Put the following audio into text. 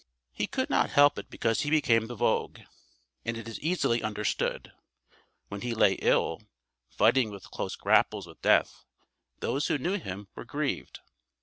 He could not help it because he became the vogue, and it is easily understood. When he lay ill, fighting with close grapples with death, those who knew him were grieved.